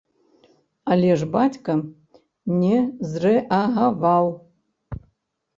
Але ж бацька не зрэагаваў.